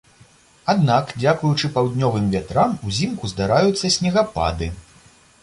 Аднак дзякуючы паўднёвым вятрам узімку здараюцца снегапады.